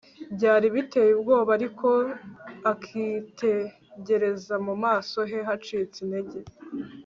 byari biteye ubwoba, ariko akitegereza mu maso he hacitse intege